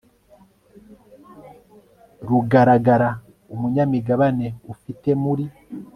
rugaragara umunyamigabane ufite muri